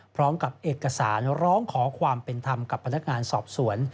พร้อมกับเอกสารร้องขอความเป็นธรรมกับพนักงานสอบสวน